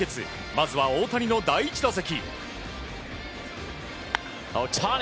まずは大谷の第１打席。